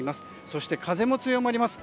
そして風も強まります。